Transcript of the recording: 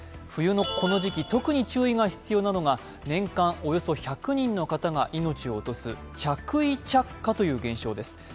冬のこの時期特に注意が必要なのが年間およそ１００人の方が命を落とす着衣着火という減少です。